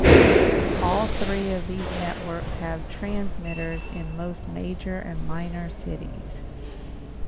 All three of these networks have transmitters in most major and minor cities.